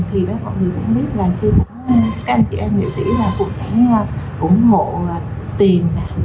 thì mọi người cũng nhận được những kế hoạch này